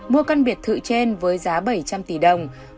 mua căn biệt thự trên với giá bảy trăm linh tỷ đồng